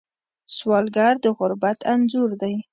سوالګر د غربت انځور دی